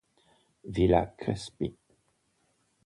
Villa Crespi